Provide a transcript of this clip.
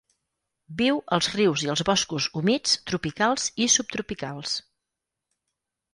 Viu als rius i als boscos humits tropicals i subtropicals.